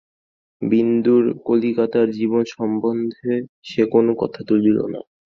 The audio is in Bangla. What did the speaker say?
বিন্দুর কলিকাতার জীবন সম্বন্ধে সে কোনো কথা তুলিল না।